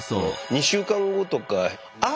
２週間後とかあ